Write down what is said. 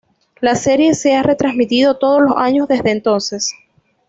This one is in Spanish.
La serie se ha retransmitido todos los años desde entonces.